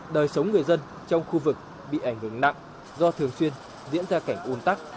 đời sống người dân trong khu vực bị ảnh hưởng nặng do thường xuyên diễn ra cảnh ùn tắc